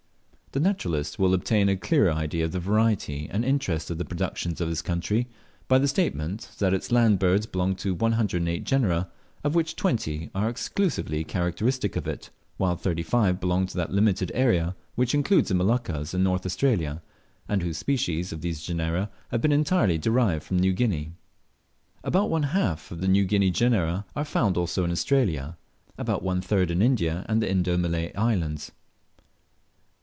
The naturalist will obtain a clearer idea of the variety and interest of the productions of this country, by the statement, that its land birds belong to 108 genera, of which 20 are exclusively characteristic of it; while 35 belong to that limited area which includes the Moluccas and North Australia, and whose species of these genera have been entirely derived from New Guinea. About one half of the New Guinea genera are found also in Australia, about one third in India and the Indo Malay islands.